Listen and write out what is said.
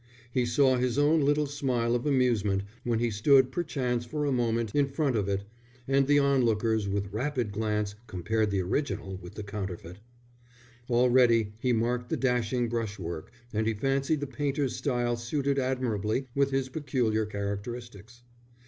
He saw his own little smile of amusement when he stood perchance for a moment in front of it, and the onlookers with rapid glance compared the original with the counterfeit. Already he marked the dashing brushwork and he fancied the painter's style suited admirably with his peculiar characteristics.